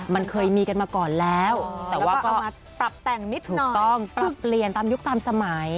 มันเคยมีกันมาก่อนแล้วแต่ว่าเอามาปรับแต่งนิดนึงปรับเปลี่ยนตามยุคตามสมัย